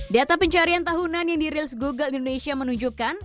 data pencarian tahunan yang di reels google indonesia menunjukkan